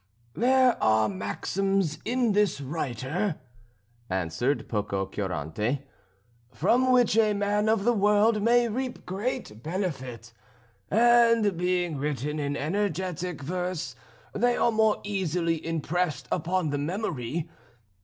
"There are maxims in this writer," answered Pococurante, "from which a man of the world may reap great benefit, and being written in energetic verse they are more easily impressed upon the memory.